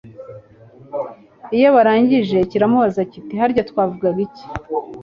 iyo barangije kiramubaza kiti harya twavugaga iki